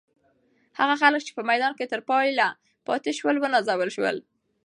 هغه خلک چې په میدان کې تر پایه پاتې شول، ونازول شول.